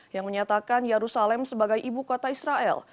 yang menyatakan yerusalem sebagai ibu kota israel